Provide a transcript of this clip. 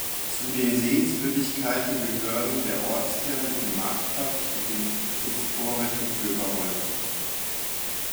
Zu den Sehenswürdigkeiten gehören der Ortskern mit dem Marktplatz und den historischen Bürgerhäusern.